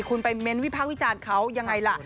คุณไปเม้นต์วิพากษ์วิจารณ์เขายังไงล่ะ